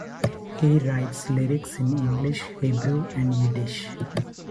He writes lyrics in English, Hebrew, and Yiddish.